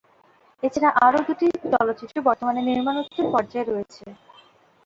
এছাড়া আরও দুটি চলচ্চিত্র বর্তমানে নির্মাণ-উত্তর পর্যায়ে রয়েছে।